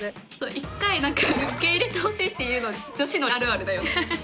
１回受け入れてほしいっていうの女子のあるあるだよね。